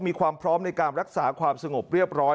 มีความพร้อมในการรักษาความสงบเรียบร้อย